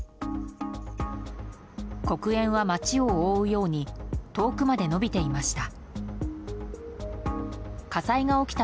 黒煙は街を覆うように遠くまで伸びていました。